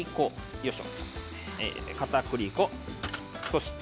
よいしょ。